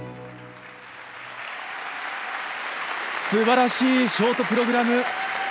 素晴らしいショートプログラム！